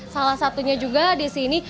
salah satunya juga di sini